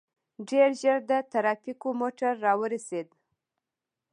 ډېر ژر د ټرافيکو موټر راورسېد.